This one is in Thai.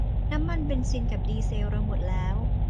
น้ำมันเบนซิลกับดีเซลเราหมดแล้ว